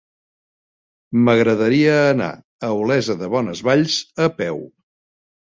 M'agradaria anar a Olesa de Bonesvalls a peu.